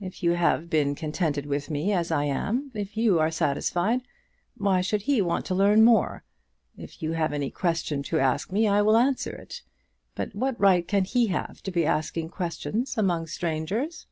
If you have been contented with me as I am, if you are satisfied, why should he want to learn more? If you have any question to ask me I will answer it. But what right can he have to be asking questions among strangers?"